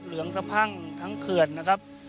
เหลืองสะพั่งทั้งเขื่อนนะครับ